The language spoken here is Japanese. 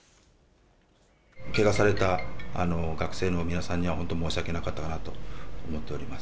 けがされた学生の皆さんには、本当申し訳なかったかなと思っております。